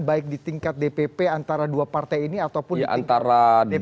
baik di tingkat dpp antara dua partai ini ataupun di tingkat dpp